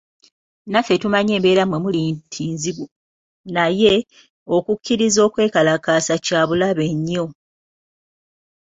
Naffe tumanyi embeera mwemuli nti nzibu naye okukkiriza okwekalakaasa kyabulabe nnyo.